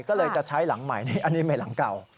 ก็เลยจะใช้หลังใหม่นี้อันนี้ใหม่หลังเก่า